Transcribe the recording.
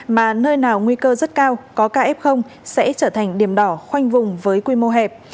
mà nơi nào nguy cơ rất cao có kf sẽ trở thành điểm đỏ khoanh vùng với quy mô hẹp